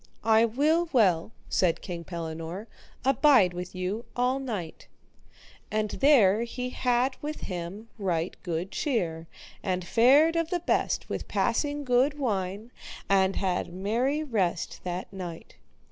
I will well, said King Pellinore, abide with you all night. And there he had with him right good cheer, and fared of the best with passing good wine, and had merry rest that night.